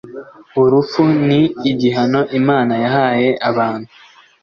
Urupfu ni igihano Imana yahaye abantu